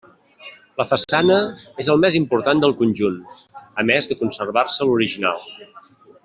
La façana és el més important del conjunt, a més de conservar-se l'original.